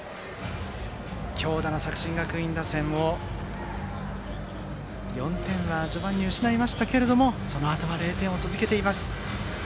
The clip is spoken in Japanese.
強打の作新学院打線を、序盤に４点は失いましたけれどもそのあとは０点を続けています。